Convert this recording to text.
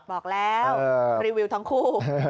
บอกแล้วรีวิวทั้งคู่